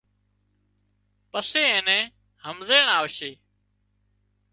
پسي اين نِين همزيڻ آوشي